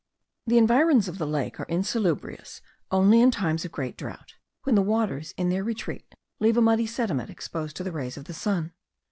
The environs of the lake are insalubrious only in times of great drought, when the waters in their retreat leave a muddy sediment exposed to the rays of the sun.